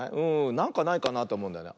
なんかないかなっておもうんだよね。